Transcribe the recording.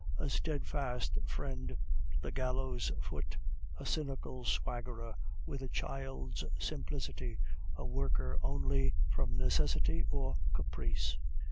A steadfast friend to the gallows foot, a cynical swaggerer with a child's simplicity, a worker only from necessity or caprice.